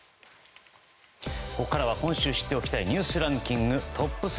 ここからは今週知っておきたいニュースランキングトップ３。